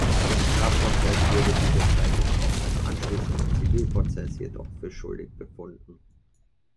Im Strafprozess wurde diese freigesprochen, im anschließenden Zivilprozess jedoch für schuldig befunden.